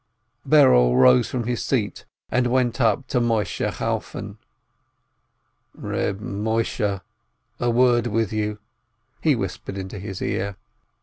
Berel rose from his seat, and went up to Moisheh Chalfon. "Reb Moisheh, a word with you," he whispered into his ear.